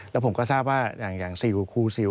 แล้วผมก็ทราบว่าอย่างอย่างสิวครูสิว